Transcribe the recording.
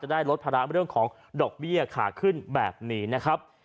ได้ลดภาระเรื่องของดอกเบี้ยขาขึ้นแบบนี้นะครับ